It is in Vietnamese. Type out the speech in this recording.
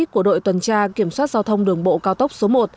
của đội tuần tra kiểm soát giao thông đường bộ cao tốc số một